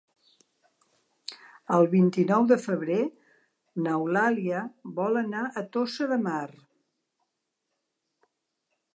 El vint-i-nou de febrer n'Eulàlia vol anar a Tossa de Mar.